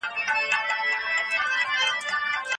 څوک غواړي بېړنۍ غونډه په بشپړ ډول کنټرول کړي؟